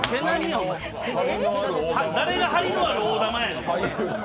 誰が張りのある大玉やねん！